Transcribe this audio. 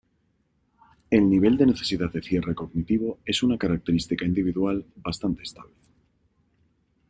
El nivel de necesidad de cierre cognitivo es una característica individual bastante estable.